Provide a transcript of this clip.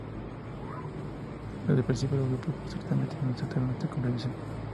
Desde el principio, los grupos protestantes no aceptaron esta prohibición.